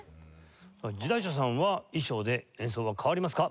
地代所さんは衣装で演奏は変わりますか？